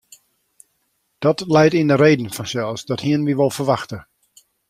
Dat leit yn de reden fansels, dat hienen we wol ferwachte.